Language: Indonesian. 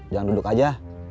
jangan duduk aja